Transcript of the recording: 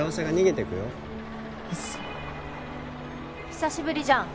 久しぶりじゃん。